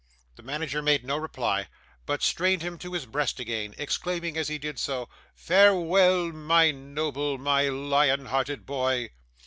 The manager made no reply, but strained him to his breast again, exclaiming as he did so, 'Farewell, my noble, my lion hearted boy!